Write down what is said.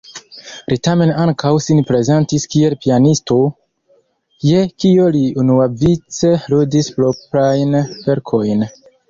Li tamen ankaŭ sin prezentis kiel pianisto, je kio li unuavice ludis proprajn verkojn.